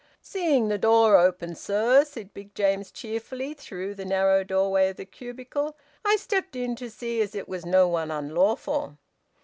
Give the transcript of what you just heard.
"Seeing the door open, sir," said Big James cheerfully, through the narrow doorway of the cubicle, "I stepped in to see as it was no one unlawful."